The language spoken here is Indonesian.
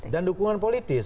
dan dukungan politis